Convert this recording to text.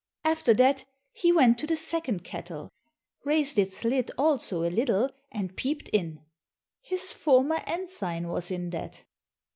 After that, he went to the second kettle, raised its lid also a little, and peeped in; his former ensign was in that.